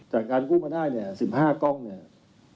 การกู้มาได้เนี่ย๑๕กล้องเนี่ย